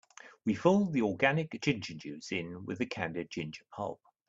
We fold the organic ginger juice in with the candied ginger pulp.